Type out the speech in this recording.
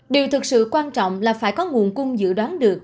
điều thực sự quan trọng là phải có nguồn cung dự đoán được